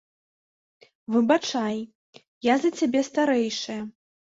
Выбачай, я за цябе старэйшая.